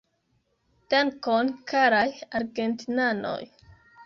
Dankon, karaj argentinanoj.